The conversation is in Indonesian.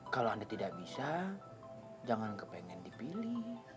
kalau anda tidak bisa jangan kepengen dipilih